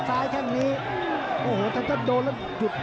ซ้ายแข่งเนี้ยโอโหแค่เป็นแล้วยุบยุบ